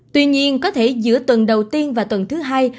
tuy nhiên có thể giữa tuần đầu tiên và tuần thứ hai